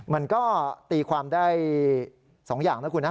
มันก็ตีความได้๒อย่างนะคุณนะ